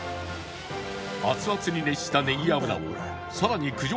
熱々に熱したネギ油を更に九条